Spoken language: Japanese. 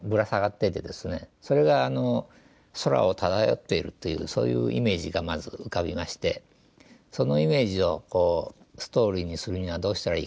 それが空を漂っているというそういうイメージがまず浮かびましてそのイメージをストーリーにするにはどうしたらいいかなと考えてですね